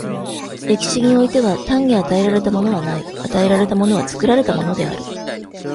歴史においては、単に与えられたものはない、与えられたものは作られたものである。